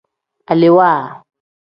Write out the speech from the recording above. Alewaa.